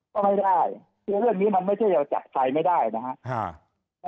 ก็ไม่ได้คือเรื่องนี้มันไม่ใช่เราจับใครไม่ได้นะครับ